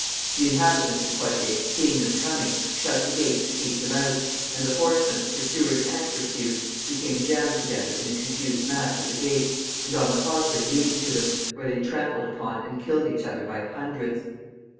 The inhabitants of Poictiers, seeing them coming, shut the gates to keep them out, and the horsemen, pursuers and pursued, became jammed together in a confused mass at the gates, and on the causeway leading to them, where they trampled upon and killed each other by hundreds.